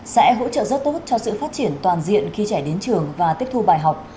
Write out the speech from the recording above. sẽ hỗ trợ rất tốt cho sự phát triển toàn diện khi trẻ đến trường và tích thu bài học